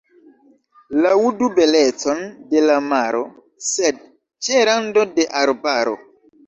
Laŭdu belecon de la maro, sed ĉe rando de arbaro.